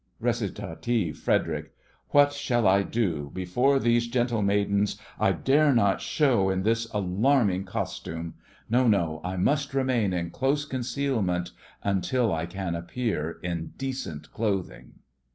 RECIT—FREDERIC What shall I do? Before these gentle maidens I dare not show in this alarming costume! No, no, I must remain in close concealment Until I can appear in decent clothing!